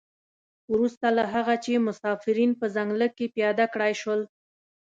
وروسته له هغه چې مسافرین په ځنګله کې پیاده کړای شول.